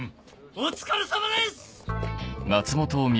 お疲れさまです！